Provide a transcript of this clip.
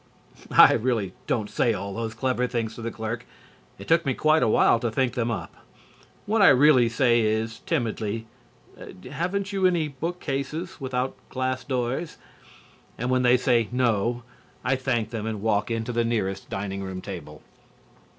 (I really don't say all those clever things to the clerk. It took me quite a while to think them up. What I really say is, timidly, "Haven't you any bookcases without glass doors?" and when they say "No," I thank them and walk into the nearest dining room table.)